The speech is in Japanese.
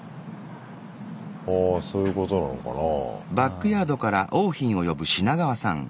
ああそういうことなのかなぁ。